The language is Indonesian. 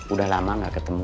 udah lama gak ketemu